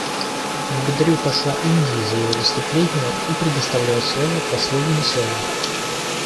Благодарю посла Индии за его выступление и предоставляю слово послу Венесуэлы.